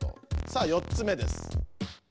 さあ４つ目です。